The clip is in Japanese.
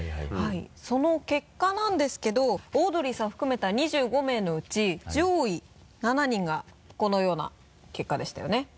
その結果なんですけどオードリーさん含めた２５名のうち上位７人がこのような結果でしたよね。